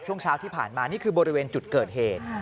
ช่วงเช้าที่ผ่านมานี่คือบริเวณจุดเกิดเหตุ